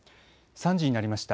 ３時になりました。